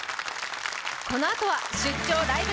このあとは「出張ライブ！